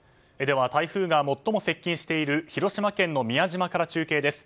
台風が最も接近している広島県の宮島から中継です。